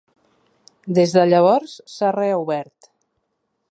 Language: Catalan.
Des de llavors s'ha reobert.